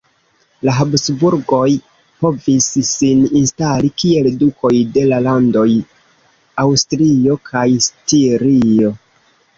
La Habsburgoj povis sin instali kiel dukoj de la landoj Aŭstrio kaj Stirio.